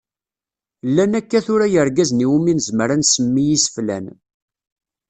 Llan akka tura yirgazen iwumi nezmer ad nsemmi iseflan.